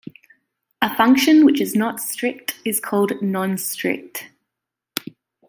A function which is not strict is called non-strict.